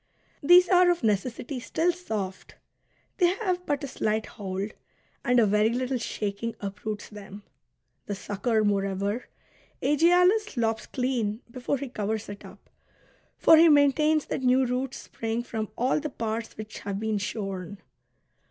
These are of necessity still soft ; they have but a slight hold, and a very little shaking uproots them. The sucker, moi'eover, Aegialus lops clean before he covers it up. For he maintains that new roots spring from all the parts which have been shorn.